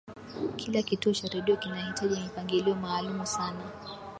Kila kituo cha redio kinahitaji mipangilio maalumu sana